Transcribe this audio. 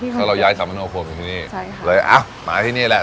ถ้าเราย้ายสามโนคมอยู่ที่นี่ใช่ค่ะเลยอ้าวมาที่นี่แหละ